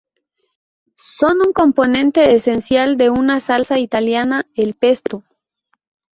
Son un componente esencial de una salsa italiana, el pesto.